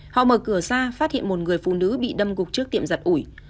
họ mở cửa ra phát hiện một người phụ nữ bị đâm gục trước tiệm giật ủi